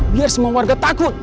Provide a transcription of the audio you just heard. biar semua warga takut